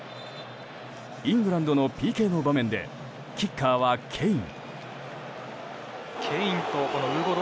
イングランドのＰＫの場面でキッカーはケイン。